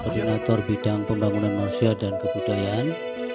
koordinator bidang pembangunan manusia dan kebudayaan